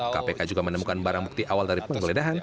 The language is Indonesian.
kpk juga menemukan barang bukti awal dari penggeledahan